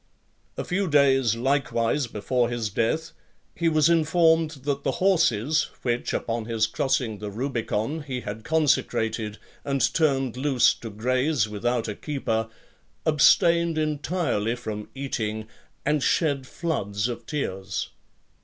A few days likewise before his death, he was informed that the horses, which, upon his crossing the Rubicon, he had consecrated, and turned loose to graze without a keeper, abstained entirely from eating, and shed floods of tears.